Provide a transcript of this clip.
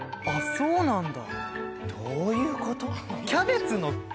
そうなんだ。